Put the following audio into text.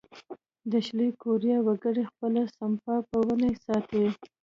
د شلي کوریا وګړي خپله سپما په وون ساتي.